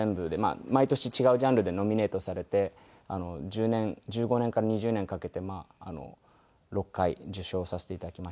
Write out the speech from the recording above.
毎年違うジャンルでノミネートされて１５年から２０年かけて６回受賞させて頂きました。